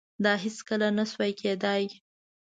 دا هیڅکله نشوای کېدای.